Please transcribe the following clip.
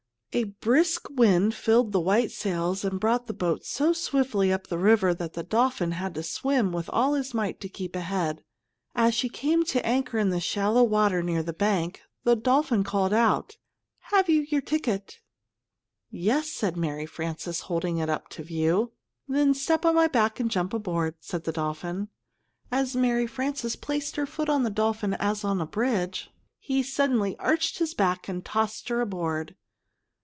A brisk wind filled the white sails and brought the boat so swiftly up the river that the dolphin had to swim with all his might to keep ahead. As she came to anchor in the shallow water near the bank, the dolphin called out, "Have you your ticket?" "Yes," answered Mary Frances, holding it up to view. "Then step on my back and jump aboard!" said the dolphin. As Mary Frances placed her foot on the dolphin as on a bridge, he suddenly arched his back and tossed her aboard.